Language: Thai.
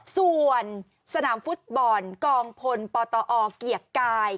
ส่วนสนามฟุตบอลกองพลปตอเกียรติกาย